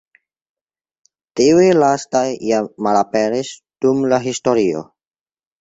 Tiuj lastaj jam malaperis dum la historio.